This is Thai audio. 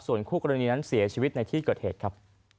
ส่วนคู่กรณีนั้นเสียชีวิตในที่เกิดเหตุครับ